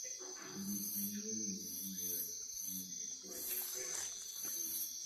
barupi nyalo winjore mayot kapo ni indiko wach ka wach e lainde